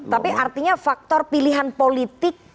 tapi artinya faktor pilihan politik